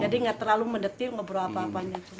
jadi nggak terlalu mendetil ngobrol apa